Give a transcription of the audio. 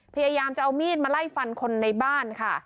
พยายามจะเอามีดมาไล่ฟันคนในบ้านค่ะ